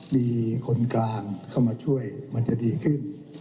มีคนกลางเข้ามาช่วยมันจะดีขึ้น